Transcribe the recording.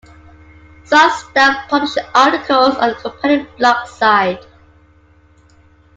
Sun staff published articles on the company's blog site.